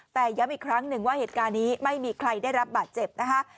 แต่ย้ำอีกครั้งหนึ่งว่าเหตุการณ์นี้ไม่มีใครได้รับบาดเจ็บนะคะ